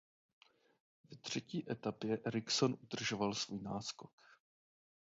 Ve třetí etapě Ericsson udržoval svůj náskok.